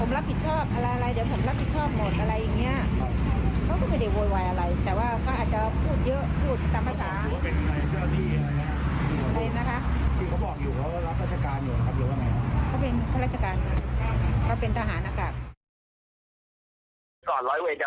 ผมรับผิดชอบอะไรอะไรเดี๋ยวผมรับผิดชอบหมดอะไรอย่างนี้